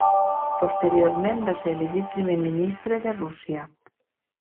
Posteriorment va ser elegit Primer Ministre de Rússia.